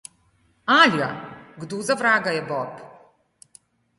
Alja, kdo za vraga je Bob?